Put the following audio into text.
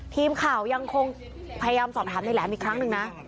ทีมข่าวยังคงพยายามสอบถามในแหลมอีกครั้งหนึ่งนะ